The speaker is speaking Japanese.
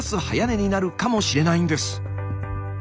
早寝になるかもしれないんです。